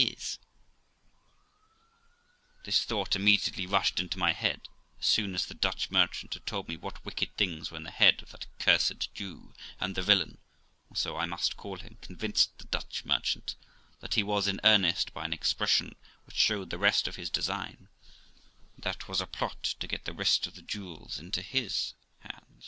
This thought immediately rushed into my head, as soon as the Dutch merchant had told me what wicked things were in the head of that cursed Jew; and the villain (for so I must call him) convinced the Dutch merchant that he was in earnest by an expression which showed the rest of his design, and that was a plot to get the rest of the jewels into his hand.